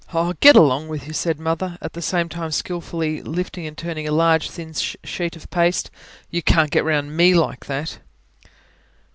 "Oh, get along with you!" said Mother, at the same time skilfully lifting and turning a large, thin sheet of paste. "You can't get round ME like that."